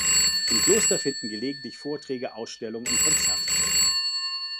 Im Kloster finden gelegentlich Vorträge, Ausstellungen und Konzerte statt.